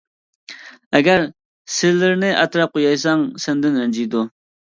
ئەگەر سىرلىرىنى ئەتراپقا يايساڭ، سەندىن رەنجىيدۇ.